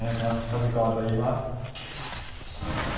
梶川といいます。